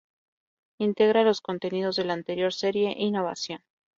Integra los contenidos de la anterior serie "Innovación".